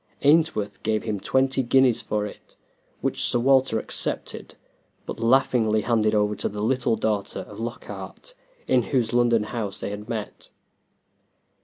Ainsworth gave him twenty guineas for it, which Sir Walter accepted, but laughingly handed over to the little daughter of Lockhart, in whose London house they had met.